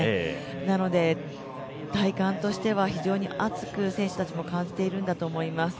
なので、体感としては非常に選手たちも暑く感じていると思います。